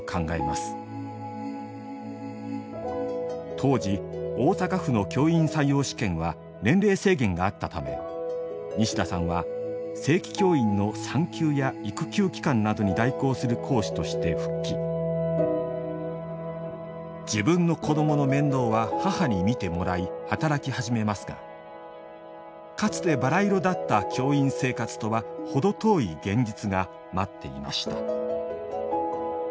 当時大阪府の教員採用試験は年齢制限があったため西田さんは正規教員の産休や育休期間などに代行する自分の子どもの面倒は母に見てもらい働き始めますがかつてバラ色だった教員生活とは程遠い現実が待っていました。